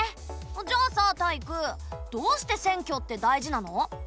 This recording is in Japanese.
じゃあさタイイクどうして選挙って大事なの？